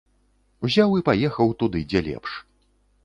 Узяў і паехаў туды, дзе лепш.